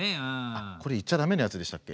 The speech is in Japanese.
あっこれ言っちゃ駄目なやつでしたっけ？